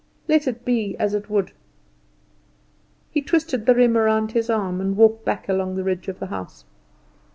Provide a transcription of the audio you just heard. Let it be as it would. He twisted the riem round his arm and walked back along the ridge of the house.